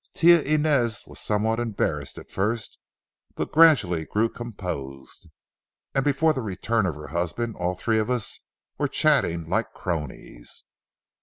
Tia Inez was somewhat embarrassed at first, but gradually grew composed, and before the return of her husband all three of us were chatting like cronies.